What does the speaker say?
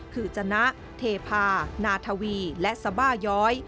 คือจนะเทพานาทวีและสบาย้อย